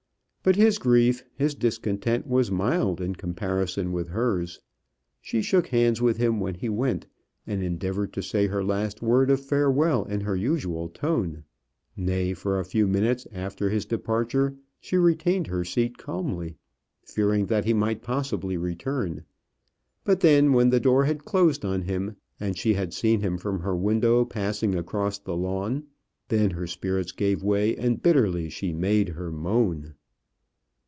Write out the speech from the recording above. But his grief, his discontent was mild in comparison with hers. She shook hands with him when he went, and endeavoured to say her last word of farewell in her usual tone; nay, for a few minutes after his departure she retained her seat calmly, fearing that he possibly might return; but then, when the door had closed on him, and she had seen him from her window passing across the lawn, then her spirits gave way, and bitterly she made her moan.